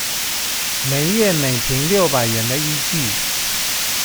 每月每坪六百元的依據